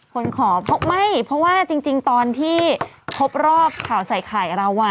คนขอแบบไม่เพราะว่าจริงตอนที่พบรอบข่าวใส่ไข่เรา